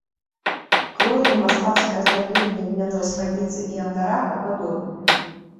Крой і мастацкае аздабленне льняной спадніцы і андарака падобныя.